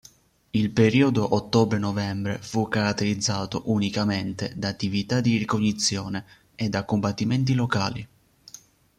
Il periodo ottobre-novembre fu caratterizzato unicamente da attività di ricognizione e da combattimenti locali.